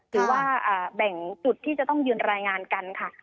หรือว่าแบ่งจุดที่จะต้องยืนรายงานกันค่ะ